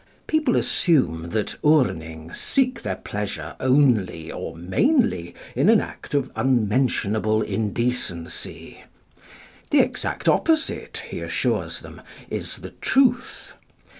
People assume that Urnings seek their pleasure only or mainly in an act of unmentionable indecency. The exact opposite, he assures them, is the truth.